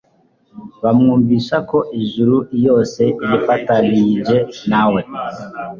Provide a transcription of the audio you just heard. bamwumvishako ijuru iyose ryifatariyije na we.